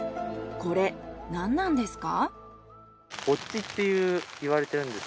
これなんなんですか？